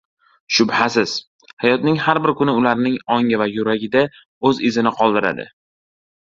Shubhasiz, hayotning har bir kuni ularning ongi va yuragida oʻz izini qoldiradi.